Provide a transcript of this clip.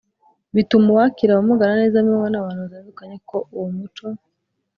bituma uwakira abamugana neza amenywa n’abantu batandukanye ko uwo muco